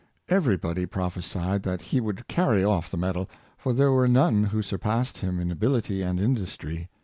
Every body prophesied that he would carry off the medal, for there were none who surpassed him in ability and indus try.